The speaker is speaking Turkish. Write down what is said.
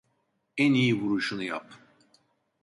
En iyi vuruşunu yap.